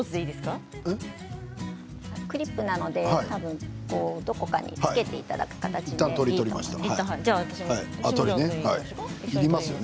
クリップなのでどこかにつけていただく形になります。